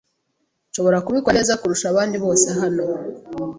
Nshobora kubikora neza kurusha abandi bose hano.